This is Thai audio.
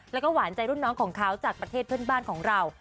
แล้วก็หวานใจรุ่นน้องของเขาจากประเทศเพื่อนบ้านของเรา